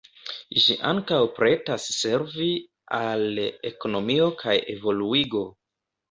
Ĝi ankaŭ pretas servi al ekonomio kaj evoluigo.